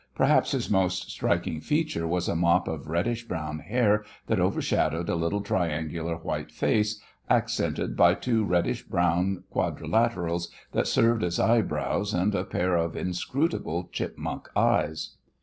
Perhaps his most striking feature was a mop of reddish brown hair that overshadowed a little triangular white face accented by two reddish brown quadrilaterals that served as eyebrows and a pair of inscrutable chipmunk eyes.